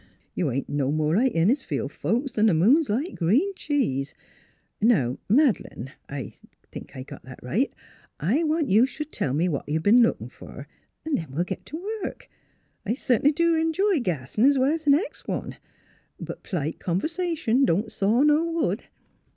You ain't no more like Innisfield folks 'an th' moon's like green cheese. ... Now, Mad'lane I hope I got that right I want you should tell me what you b'en lookin' fer, then we'll git t' work. I cert'nly do enjoy gassin' 's well 's the next one; but p'lite conv'sation don't saw no wood."